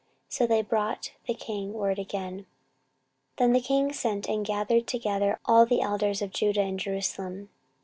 So they brought the king word again. 14:034:029 Then the king sent and gathered together all the elders of Judah and Jerusalem.